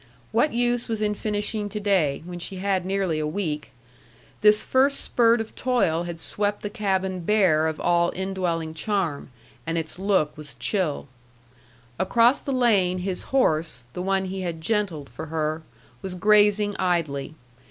What use was in finishing to day, when she had nearly a week? This first spurt of toil had swept the cabin bare of all indwelling charm, and its look was chill. Across the lane his horse, the one he had "gentled" for her, was grazing idly.